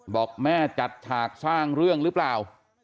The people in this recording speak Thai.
บอกแม่จัดฉากสร้างเรื่องหรือเปล่า